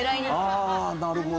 ああなるほど。